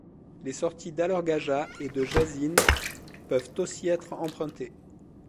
Les sorties d’Alor Gajah et de Jasin peuvent aussi être empruntées.